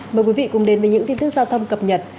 mời quý vị cùng đến với những tin tức giao thông cập nhật